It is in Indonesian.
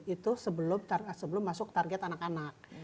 itu sebelum masuk target anak anak